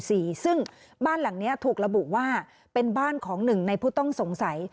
ซึ่งบ้านหลังนี้ถูกระบุว่าเป็นบ้านของหนึ่งในผู้ต้องสงสัย